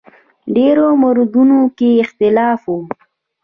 ډېرو موردونو کې اختلاف و.